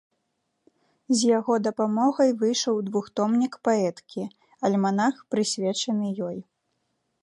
З яго дапамогай выйшаў двухтомнік паэткі, альманах, прысвечаны ёй.